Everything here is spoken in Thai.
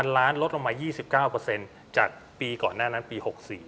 ล้านลดลงมา๒๙จากปีก่อนหน้านั้นปี๖๔